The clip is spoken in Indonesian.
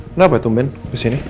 kenapa itu ben ke sini